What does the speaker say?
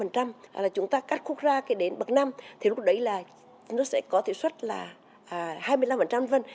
thì chúng ta cắt khúc ra đến bậc năm thì lúc đấy là nó sẽ có thuế xuất là hai mươi năm